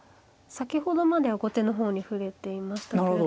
先ほどまでは後手の方に振れていましたけれども。